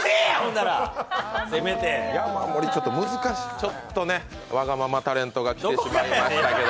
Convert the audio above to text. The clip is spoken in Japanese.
ちょっとね、わがままタレントが来てしまいましたけど。